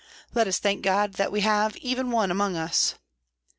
"Let us thank God that we have even one among us."